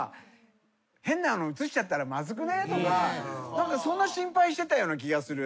何かそんな心配してたような気がする。